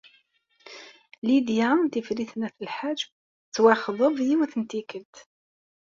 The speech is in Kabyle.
Lidya n Tifrit n At Lḥaǧ tettwaxḍeb yiwet n tikkelt.